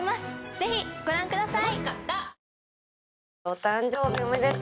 ぜひご覧ください！